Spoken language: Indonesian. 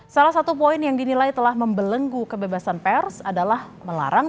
salah satu poin yang dinilai telah membelenggu kebebasan pers adalah melarang